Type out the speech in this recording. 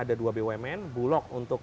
ada dua bumn bulog untuk